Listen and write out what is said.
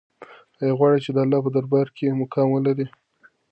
آیا غواړې چې د الله په دربار کې مقام ولرې؟